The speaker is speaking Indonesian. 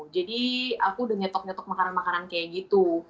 jadi aku udah nyetok nyetok makanan makanan kayak gitu